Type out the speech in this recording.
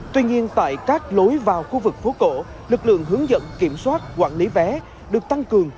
tuy nhiên tại các lối vào khu vực phố cổ lực lượng hướng dẫn kiểm soát quản lý vé được tăng cường